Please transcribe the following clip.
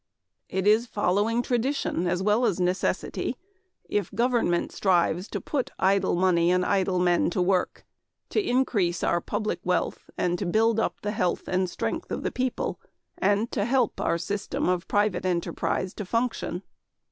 It is following tradition as well as necessity, if government strives to put idle money and idle men to work, to increase our public wealth and to build up the health and strength of the people and to help our system of private enterprise to function.